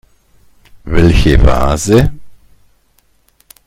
Welche Vase?